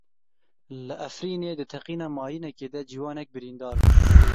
Li Efrînê di teqîna mayînekê de ciwanek birîndar bû.